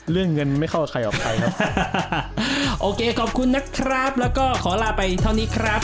เรื่องเงินไม่เข้าใครออกใครครับโอเคขอบคุณนะครับแล้วก็ขอลาไปเท่านี้ครับ